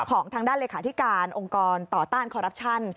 ของทางด้านเลขาธิการองค์กรต่อต้านคอรัปชั่น